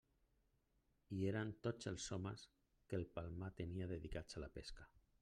Hi eren tots els homes que el Palmar tenia dedicats a la pesca.